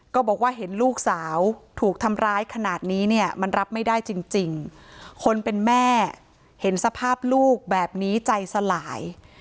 ก็บอกว่าเห็นลูกสาวถูกทำร้ายขนาดนี้เนี่ยมันรับไม่ได้จริงคนเป็นแม่เห็นสภาพลูกแบบนี้ใจสลาย